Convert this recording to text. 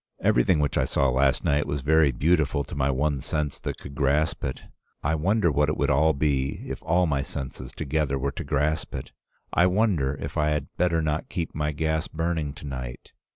Everything which I saw last night was very beautiful to my one sense that could grasp it. I wonder what it would all be if all my senses together were to grasp it? I wonder if I had better not keep my gas burning to night?